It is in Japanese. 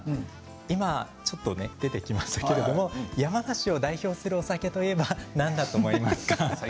今、出てきましたけど山梨を代表するお酒といえば何だと思いますか？